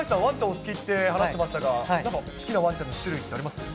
お好きって話してましたが、なんか好きなワンちゃんの種類ってありますか？